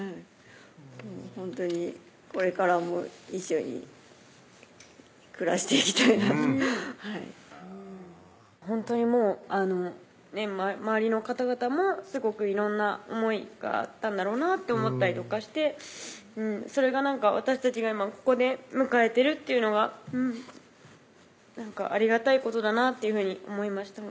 ほんとにこれからも一緒に暮らしていきたいなとほんとにもう周りの方々もすごく色んな思いがあったんだろうなって思ったりとかしてそれがなんか私たちが今ここで迎えてるっていうのがありがたいことだなっていうふうに思いました